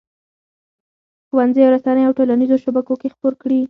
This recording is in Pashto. ښوونځیو، رسنیو او ټولنیزو شبکو کې خپور کړي.